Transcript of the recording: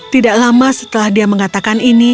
tidak lama setelah dia mengatakan ini